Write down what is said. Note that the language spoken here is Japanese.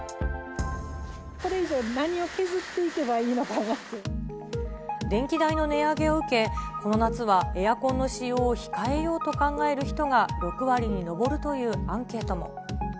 これ以上何を削っていけばい電気代の値上げを受け、この夏はエアコンの使用を控えようと考える人が６割に上るというアンケートも。